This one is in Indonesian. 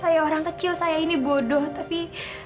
saya orang kecil saya ini bodoh tapi